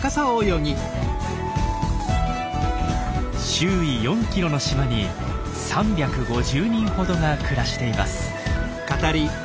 周囲４キロの島に３５０人ほどが暮らしています。